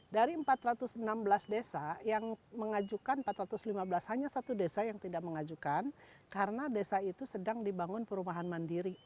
dari empat ratus enam belas desa yang mengajukan empat ratus lima belas hanya satu desa yang tidak mengajukan karena desa itu sedang dibangun perumahan mandiri